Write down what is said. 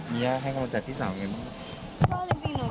มีย่าให้เข้าใจพี่สาวอย่างไรบ้าง